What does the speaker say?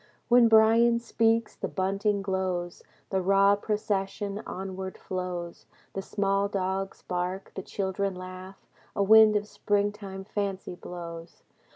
When Bryan speaks, the bunting glows. The raw procession onward flows. The small dogs bark. The children laugh A wind of springtime fancy blows.